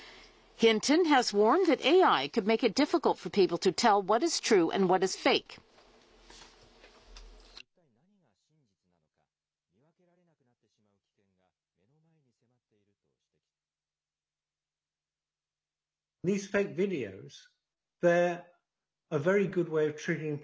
ヒントン博士は、一体何が真実なのか、見分けられなくなってしまう危険が目の前に迫っていると指摘しています。